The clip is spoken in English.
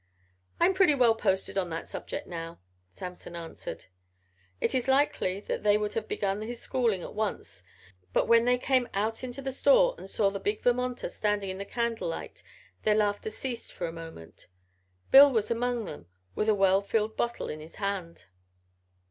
"I'm pretty well posted on that subject now," Samson answered. It is likely that they would have begun his schooling at once but when they came out into the store and saw the big Vermonter standing in the candlelight their laughter ceased for a moment. Bill was among them with a well filled bottle in his hand.